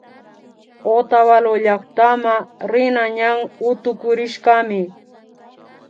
Otavalo llaktama rina ñan utukurishkami